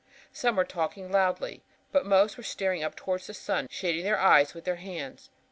Some were talking loudly, but most were staring up toward the sun, shading their eyes with their hands.